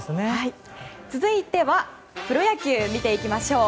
続いてはプロ野球を見ていきましょう。